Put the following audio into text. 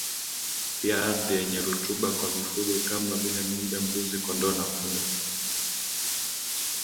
pia ardhi yenye rutuba kwa mifungo kama vile ngombe mbuzi kondoo na punda